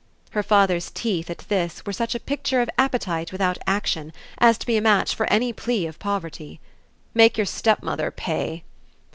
Her father's teeth, at this, were such a picture of appetite without action as to be a match for any plea of poverty. "Make your stepmother pay."